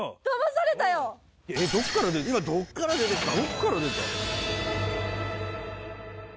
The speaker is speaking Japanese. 今、どっから出てきたの？